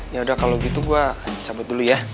yaudah kalau gitu gue cabut dulu ya